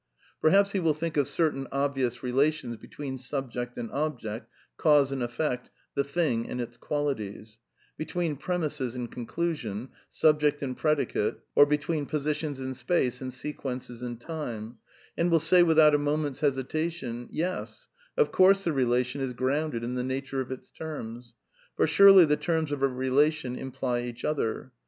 Perhaps he will think of certain obvious relations be tween subject and object, cause and effect, the thing and its qualities; between premisses and conclusion, subject and predicate ; or between positions in space and sequences in time, and will say without a moment's hesitation: Yes, of course the relation is grounded in the nature of its terms. For surely the terms of a relation imply each other.